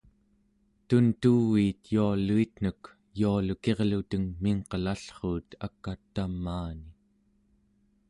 tuntuviit yualuitnek yualukirluteng mingqelallruut ak'a tamaani